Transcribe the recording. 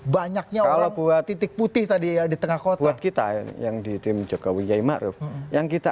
banyaknya orang buat titik putih tadi ya di tengah kota kita yang di tim jogawi yaimakruf yang kita